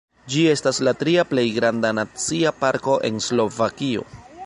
Ĝi estas la tria plej granda nacia parko en Slovakio.